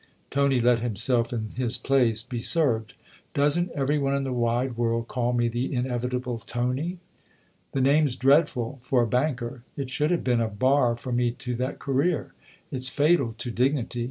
Tony let himself, in his place, be served. " Doesn't every one in the wide world call me the inevitable 'Tony'? The name's dreadful for a banker; it should have been a bar for me to that career. It's fatal to dignity.